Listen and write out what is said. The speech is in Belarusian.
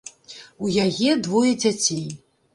У яе двое дзяцей.